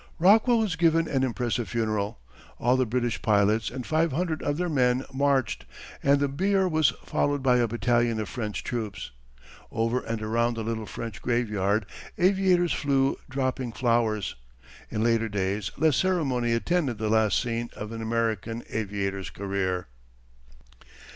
Rockwell was given an impressive funeral. All the British pilots, and five hundred of their men marched, and the bier was followed by a battalion of French troops. Over and around the little French graveyard aviators flew dropping flowers. In later days less ceremony attended the last scene of an American aviator's career.